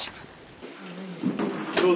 どうぞ。